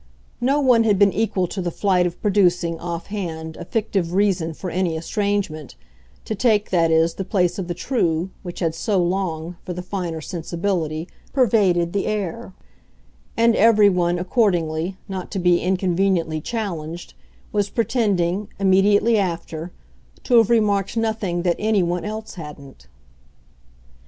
No one had been equal to the flight of producing, off hand, a fictive reason for any estrangement to take, that is, the place of the true, which had so long, for the finer sensibility, pervaded the air; and every one, accordingly, not to be inconveniently challenged, was pretending, immediately after, to have remarked nothing that any one else hadn't.